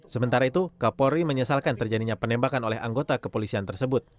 sementara itu kapolri menyesalkan terjadinya penembakan oleh anggota kepolisian tersebut